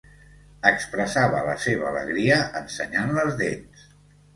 Expressava la seva alegria ensenyant les dents.